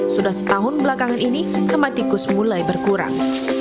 sudah setahun belakangan ini nama tikus mulai berkurang